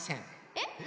えっ？